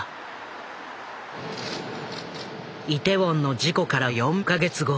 イテウォンの事故から４か月後。